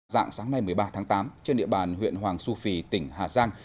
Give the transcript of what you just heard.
dạng sáng nay một mươi ba tháng tám trên địa bàn huyện hoàng su phi tỉnh hà giang